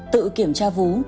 tự kiểm tra vú